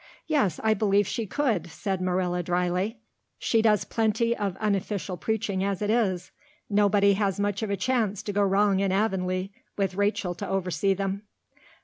"Yes, I believe she could," said Marilla dryly. "She does plenty of unofficial preaching as it is. Nobody has much of a chance to go wrong in Avonlea with Rachel to oversee them."